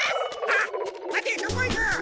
あっ待てどこ行く！